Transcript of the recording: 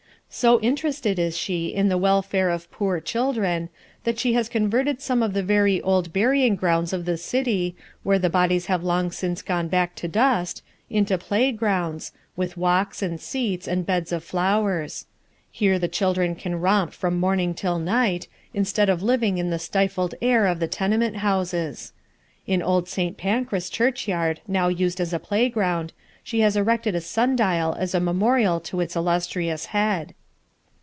So interested is she in the welfare of poor children, that she has converted some of the very old burying grounds of the city, where the bodies have long since gone back to dust, into playgrounds, with walks, and seats, and beds of flowers. Here the children can romp from morning till night, instead of living in the stifled air of the tenement houses. In old St. Pancras churchyard, now used as a playground, she has erected a sundial as a memorial to its illustrious dead.